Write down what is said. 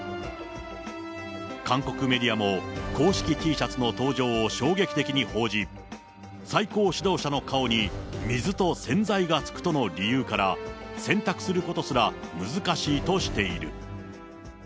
韓国メディアも、公式Ｔシャツの登場を衝撃的に報じ、最高指導者の顔に水と洗剤がつくとの理由から、洗濯することすら難しいとしている。